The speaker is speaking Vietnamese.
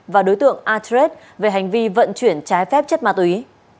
và đối tượng atreet về hành vi vận chuyển trái phép chất ma túy